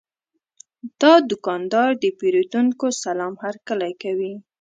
دا دوکاندار د پیرودونکو سلام هرکلی کوي.